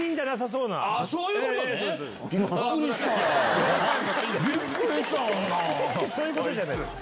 そういうことじゃないです。